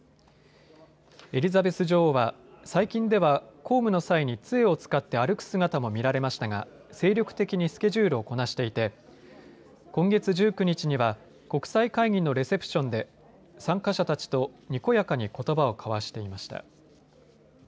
エリザベス女王は最近では公務の際につえを使って歩く姿も見られましたが精力的にスケジュールをこなしていて今月１９日には国際会議のレセプションで参加者たちと、にこやかにことばを交わしていました。